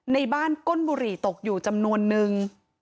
ในบ้านก้นบุหรี่ตกอยู่จำนวนนึง